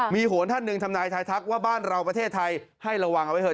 มีโหนท่านหนึ่งทำนายทายทักว่าบ้านเราประเทศไทยให้ระวังเอาไว้เถ